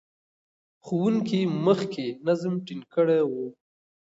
ښوونکي مخکې نظم ټینګ کړی و.